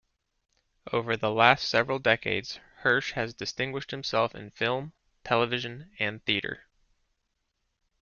Over the last several decades, Hirsch has distinguished himself in film, television, and theatre.